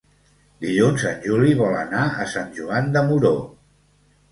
Dilluns en Juli vol anar a Sant Joan de Moró.